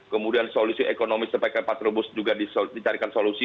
kemudian solusi ekonomi sampaikan patrobus juga dicarikan solusi